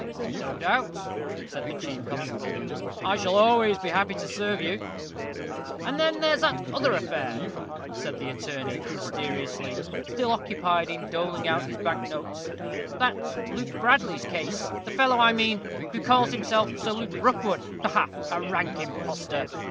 "No doubt," said the chief constable; "I shall always be happy to serve you." "And then there's that other affair," said the attorney, mysteriously, still occupied in doling out his bank notes, "that Luke Bradley's case; the fellow, I mean, who calls himself Sir Luke Rookwood ha, ha! A rank impostor!